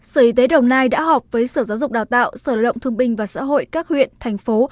sở y tế đồng nai đã họp với sở giáo dục đào tạo sở động thương binh và xã hội các huyện thành phố